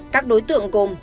các đối tượng gồm